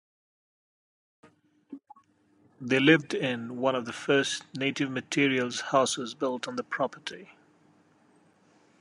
They lived in one of the first native-materials houses built on the property.